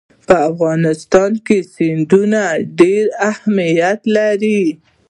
په افغانستان کې سیندونه ډېر اهمیت لري.